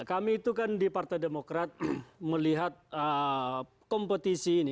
kami itu kan di partai demokrat melihat kompetisi ini